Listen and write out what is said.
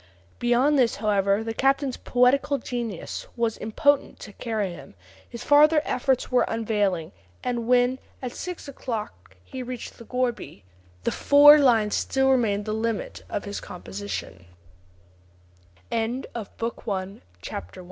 '" Beyond this, however, the captain's poetical genius was impotent to carry him; his farther efforts were unavailing, and when at six o'clock he reached the gourbi, the four lines still remained the limit of his composition. CHAPTER II. CA